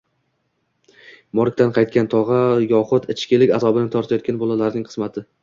“Morgdan qaytgan tog‘a” yoxud ichkilik azobini tortayotgan bolalar qismating